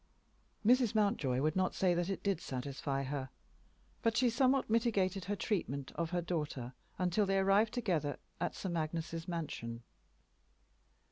Mrs. Mountjoy would not say that it did satisfy her; but she somewhat mitigated her treatment of her daughter till they arrived together at Sir Magnus's mansion.